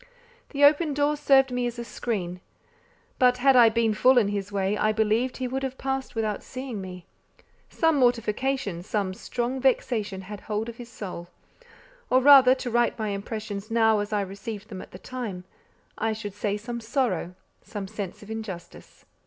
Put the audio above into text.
The open door served me as a screen; but had I been full in his way, I believe he would have passed without seeing me. Some mortification, some strong vexation had hold of his soul: or rather, to write my impressions now as I received them at the time I should say some sorrow, some sense of injustice.